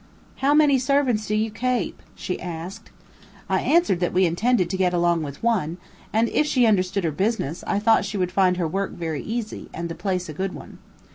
"How many servants do you kape?" she asked. I answered that we intended to get along with one, and if she understood her business, I thought she would find her work very easy, and the place a good one.